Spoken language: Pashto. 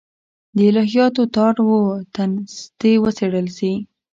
د الهیاتو تار و تنستې وڅېړل شي.